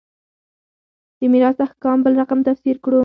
د میراث احکام بل رقم تفسیر کړو.